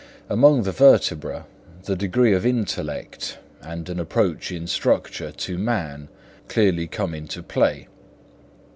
Among the vertebrata the degree of intellect and an approach in structure to man clearly come into play.